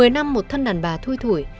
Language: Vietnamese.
một mươi năm một thân đàn bà thui thủi